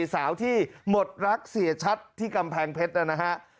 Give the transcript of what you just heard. สาวที่หมดรักเสียชัดที่กำแพงเพชรนะฮะ